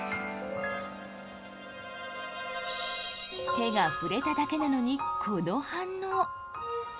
手が触れただけなのにこの反応。